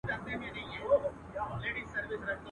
دنیا د غم په ورځ پیدا ده.